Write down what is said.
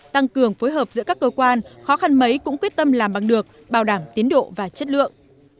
tăng cường phối hợp giữa các cơ quan khó khăn mấy cũng quyết tâm làm bằng được bảo đảm tiến độ và chất lượng